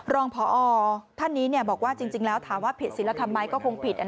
รองพอท่านนี้บอกว่าจริงแล้วถามว่าผิดศิลธรรมไหมก็คงผิด